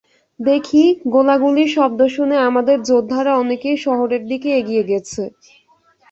দেখি, গোলাগুলির শব্দ শুনে আমাদের যোদ্ধারা অনেকেই শহরের দিকে এগিয়ে গেছে।